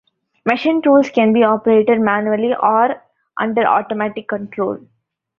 Machine tools can be operated manually, or under automatic control.